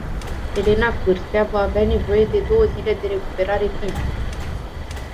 Elena Cârstea va avea nevoie de două zile de recuperare fizică.